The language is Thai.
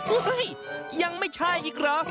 เฮ้ยยังไม่ใช่อีกเหรอ